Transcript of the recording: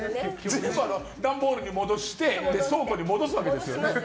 全部段ボールに戻してで、倉庫に戻すわけですよね。